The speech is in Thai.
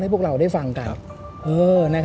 พวกเราได้ฟังกัน